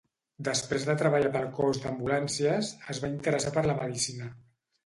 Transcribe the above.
Després de treballar pel cos d'ambulàncies, es va interessar per la medicina.